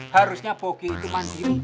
harusnya pokok itu mandiri